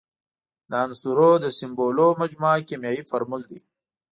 د عنصرونو د سمبولونو مجموعه کیمیاوي فورمول دی.